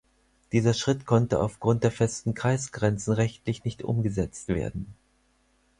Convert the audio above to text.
Dieser Schritt konnte auf Grund der festen Kreisgrenzen rechtlich nicht umgesetzt werden.